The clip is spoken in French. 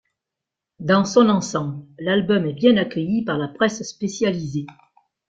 Dans son ensemble, l'album est bien accueilli par la presse spécialisée.